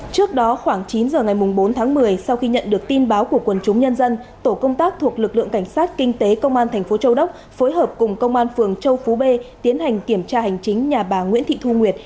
trước đó khoảng chín giờ ngày bốn tháng một mươi sau khi nhận được tin báo của quần chúng nhân dân tổ công tác thuộc lực lượng cảnh sát kinh tế công an thành phố châu đốc phối hợp cùng công an phường châu phú b tiến hành kiểm tra hành chính nhà bà nguyễn thị thu nguyệt